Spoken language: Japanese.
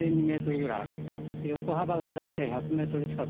横幅が１００ｍ近く。